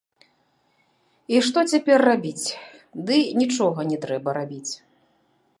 І што цяпер рабіць, ды нічога не трэба рабіць.